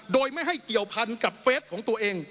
โดยไม่ให้เกี่ยวพันกับเฟสของตัวเอง